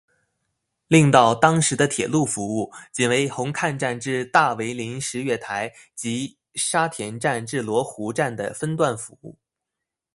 令到当时的铁路服务仅为红磡站至大围临时月台及沙田站至罗湖站的分段服务。